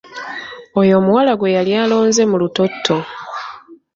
Oyo omuwala gwe yali alonze mu lutotto.